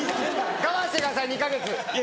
我慢してください２か月。